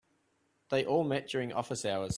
They all met during office hours.